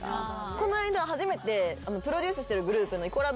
この間初めてプロデュースしてるグループの。